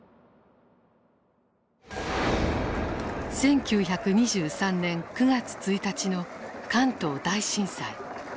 １９２３年９月１日の関東大震災。